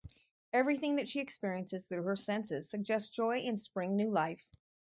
Everything that she experiences through her senses suggests joy and spring-new life.